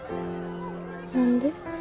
何で？